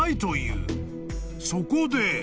［そこで］